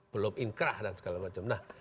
belum inkrah dan segala macam